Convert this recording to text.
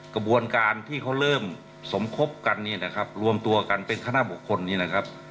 กระบวนการที่เขาเริ่มสมคบกันเนี่ยนะครับรวมตัวกันเป็นคณะบุคคลนี้นะครับ